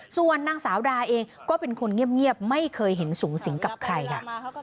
ส่วนนางสาวดาเองก็เป็นคนเงียบไม่เคยเห็นสูงสิงกับใครค่ะ